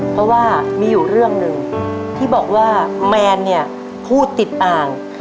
เพราะว่ามีอยู่เรื่องหนึ่งที่บอกว่าแมนเนี่ยพูดติดอ่าง